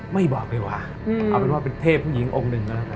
ไม่บอกเลยว่ะเอาเป็นว่าเป็นเทพผู้หญิงองค์หนึ่งนะครับ